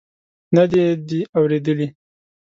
نه دې دي اورېدلي.